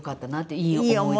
いい思い出。